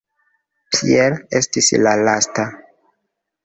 Pier estis la lasta.